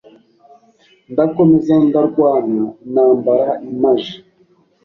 ndakomeza ndarwana, intambara imaje